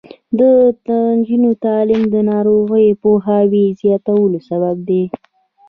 د نجونو تعلیم د ناروغیو پوهاوي زیاتولو سبب دی.